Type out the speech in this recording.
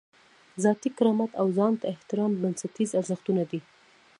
ذاتي کرامت او ځان ته احترام بنسټیز ارزښتونه دي.